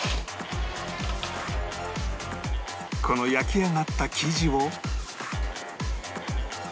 この焼き上がった生地を